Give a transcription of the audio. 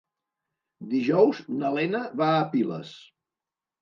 Dijous na Lena va a Piles.